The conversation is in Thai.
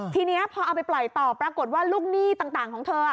ทีนี้พอเอาไปปล่อยต่อปรากฏว่าลูกหนี้ต่างของเธอ